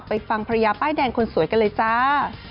ฟังภรรยาป้ายแดงคนสวยกันเลยจ้า